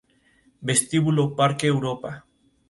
Vestíbulo Parque Europa